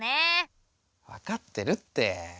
わかってるって。